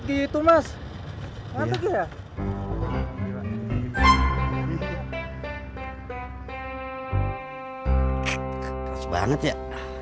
keras banget ya